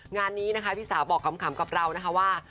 งานนี้นะคะพี่สาวบอกขำกับเรานะคะว่า